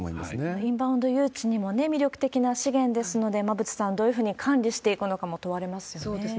インバウンド誘致にも魅力的な資源ですので、馬渕さん、どういうふうに管理していくのかも問われますよね。